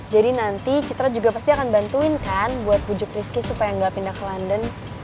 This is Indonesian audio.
jadi nanti citra juga pasti akan bantuin kan buat pujuk rizky supaya gak pindah ke london